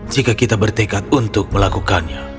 jika kita bertekad untuk melakukannya